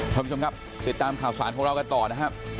ครับคุณผู้ชมครับติดตามข่าวสารพวกเรากันต่อนะครับ